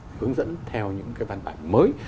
hướng dẫn theo những cái văn bản mới